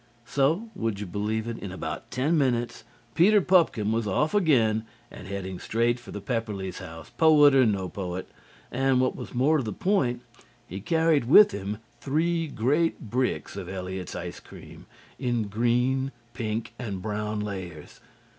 So, would you believe it, in about ten minutes Peter Pupkin was off again and heading straight for the Pepperleighs' house, poet or no poet, and, what was more to the point, he carried with him three great bricks of Eliot's ice cream in green, pink and brown layers.